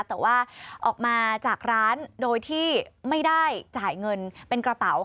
แต่ว่าออกมาจากร้านโดยที่ไม่ได้จ่ายเงินเป็นกระเป๋า